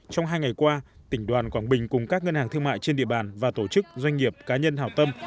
trong hai ngày qua tỉnh đoàn quảng bình cùng các ngân hàng thương mại trên địa bàn và tổ chức doanh nghiệp cá nhân hảo tâm